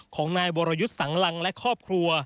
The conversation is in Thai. ของนายวรยุทธ์สังลังและครอบครัว